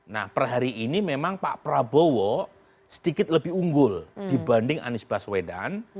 nah per hari ini memang pak prabowo sedikit lebih unggul dibanding anies baswedan